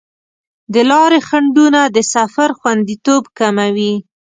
د لارې خنډونه د سفر خوندیتوب کموي.